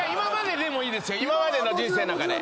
今までの人生の中で。